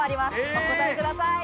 お答えください。